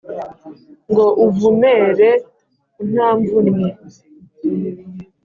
Ngo uvumere untamvunnnye